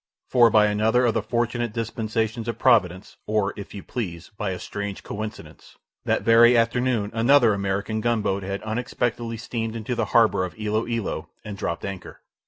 For by another of the fortunate dispensations of providence, or if you please, by a strange coincidence, that very afternoon another American gunboat had unexpectedly steamed into the harbour of Ilo Ilo and dropped anchor.